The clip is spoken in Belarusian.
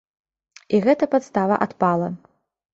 І гэта падстава адпала.